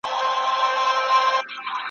د وطن پر کروندگرو دهقانانو ,